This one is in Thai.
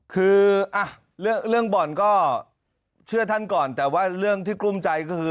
คือเรื่องบ่อนก็เชื่อท่านก่อนแต่ว่าเรื่องที่กลุ้มใจก็คือ